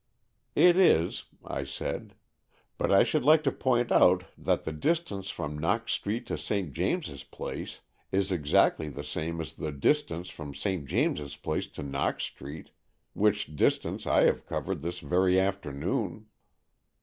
" It is," I said. " But I should like to point out that the distance from Knox Street to St. James's Place is exactly the same as the distance from St. James's Place to Knox Street, which distance I have covered this very afternoon."